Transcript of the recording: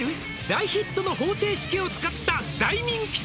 「大ヒットの方程式を使った大人気店」